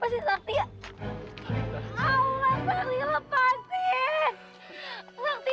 yakin kamu kenapa sih sakti